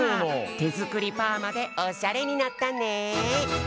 てづくりパーマでオシャレになったね。